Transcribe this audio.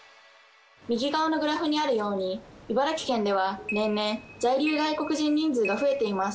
右側のグラフにあるように茨城県では年々在留外国人人数が増えています。